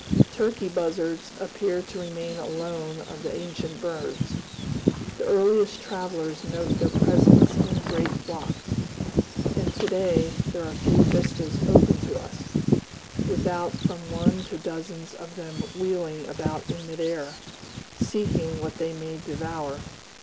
Turkey buzzards appear to remain alone of the ancient birds; the earliest travelers note their presence in great flocks, and to day there are few vistas open to us, without from one to dozens of them wheeling about in mid air, seeking what they may devour.